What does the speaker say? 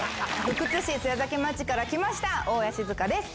福津市津屋崎町から来ました大家志津香です。